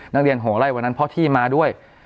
นักเรียนโหไล่วันนั้นเพราะที่มาด้วย